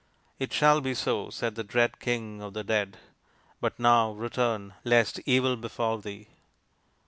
" It shall be so," said the dread King of the Dead ;" but now return, lest evil befall thee."